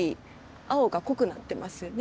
青が濃くなってますよね。